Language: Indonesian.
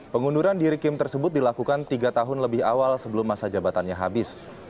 pengunduran diri kim tersebut dilakukan tiga tahun lebih awal sebelum masa jabatannya habis